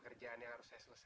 ya ya y purple